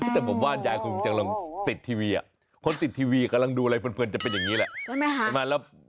แต่ผมเปลี่ยนยายคือกำลังติดทีวีอะคนติดทีวีเขารั้งดูอะไรเพลินจะเป็นอย่างนี้แหละใช่มั้ยฮะ